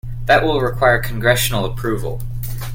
That will require congressional approval.